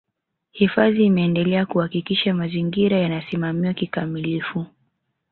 Hifadhi imeendelea kuhakikisha mazingira yanasimamiwa kikamilifu